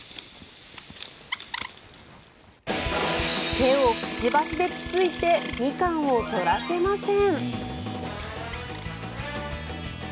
手をくちばしでつついてミカンを取らせません。